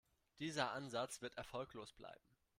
Dieser Ansatz wird erfolglos bleiben.